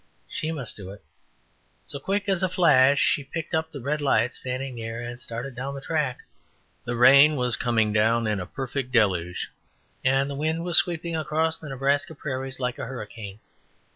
She must do it. So, quick as a flash she picked up the red light standing near, and started down the track. The rain was coming down in a perfect deluge, and the wind was sweeping across the Nebraska prairies like a hurricane.